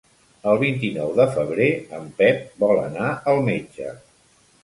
El vint-i-nou de febrer en Pep vol anar al metge.